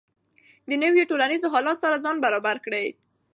د نویو ټولنیزو حالاتو سره ځان برابر کړئ.